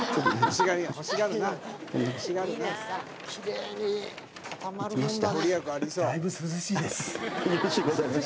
だいぶ涼しいです。